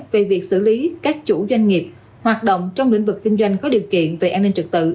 về việc xử lý các chủ doanh nghiệp hoạt động trong lĩnh vực kinh doanh có điều kiện về an ninh trực tự